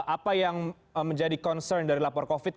apa yang menjadi concern dari lapor covid